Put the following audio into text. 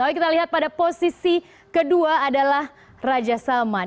lalu kita lihat pada posisi kedua adalah raja salman